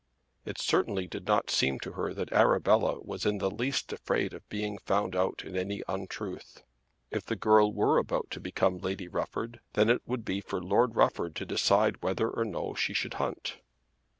It certainly did not seem to her that Arabella was in the least afraid of being found out in any untruth. If the girl were about to become Lady Rufford then it would be for Lord Rufford to decide whether or no she should hunt.